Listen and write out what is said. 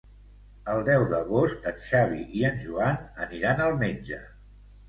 El deu d'agost en Xavi i en Joan aniran al metge.